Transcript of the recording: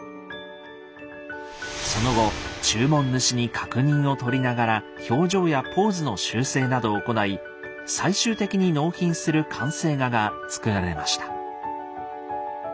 その後注文主に確認を取りながら表情やポーズの修正などを行い最終的に納品する「完成画」が作られました。